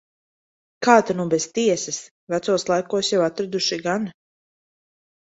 Kā ta nu bez tiesas. Vecos laikos jau atraduši gan.